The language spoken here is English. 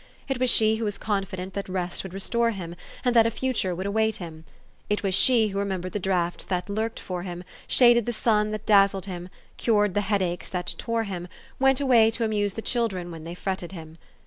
It was she who was confident that rest would restore him, and that a future would await him. It was she who remembered the draughts that lurked for him, shaded the sun that dazzled him, cured the headaches that tore him, went away to amuse the children when they fretted him.